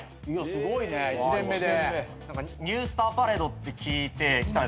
すごいね１年目で。